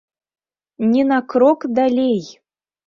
Ні на крок далей!